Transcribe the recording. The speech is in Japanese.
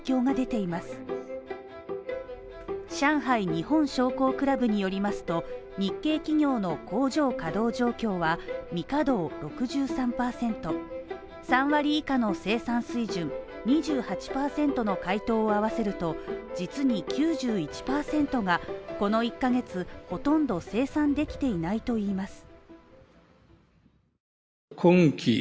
日本商工クラブによりますと、日系企業の工場稼働状況は未稼働６３％、３割以下の生産水準に１８％の回答を合わせると、実に９１％がこの１ヶ月、ほとんど生産できていないといいます。